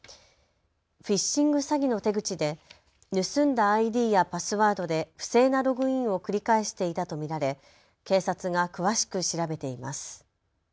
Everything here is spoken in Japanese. フィッシング詐欺の手口で盗んだＩＤやパスワードで不正なログインを繰り返していたと見られ警察が詳しく調べています。